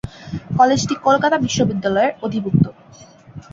কলেজটি কলকাতা বিশ্ববিদ্যালয়ের অধিভুক্ত।